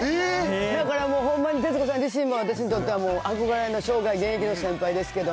だからもうほんまに徹子さん自身も私にとってはもう、憧れの生涯現役の先輩ですけど。